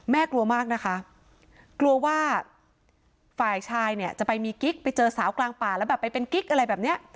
กลัวมากนะคะกลัวว่าฝ่ายชายเนี่ยจะไปมีกิ๊กไปเจอสาวกลางป่าแล้วแบบไปเป็นกิ๊กอะไรแบบเนี้ย